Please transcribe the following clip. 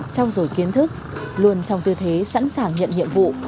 trao dồi kiến thức luôn trong tư thế sẵn sàng nhận nhiệm vụ